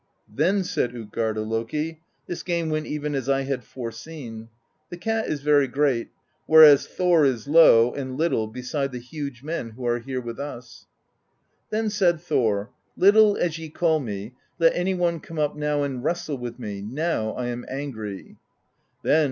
Then said Utgarda Loki: 'This game went even as I had foreseen; the cat is very great, whereas Thor is low and little beside the huge men who are here with us.' "Then said Thor: 'Little as ye call me, let any one come up now and wrestle with me; now I am angry.'